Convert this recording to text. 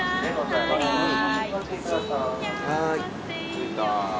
着いた。